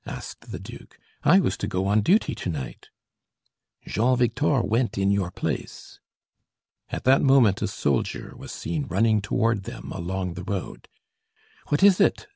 asked the duke. "I was to go on duty to night." "Jean Victor went in your place." At that moment a soldier was seen running toward them along the road. "What is it?"